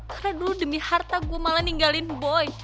karena dulu demi harta gue malah ninggalin boy